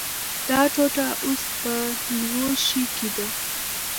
دا ټوټه اوس په لوښي کې ده.